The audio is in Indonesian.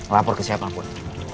lapor ke siapapun